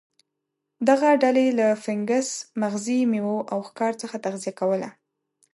دغه ډلې له فنګس، مغزي میوو او ښکار څخه تغذیه کوله.